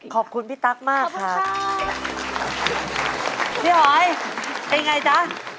ขอบคุณพี่ตั๊กมากค่ะพี่หอยเป็นอย่างไรจ๊ะ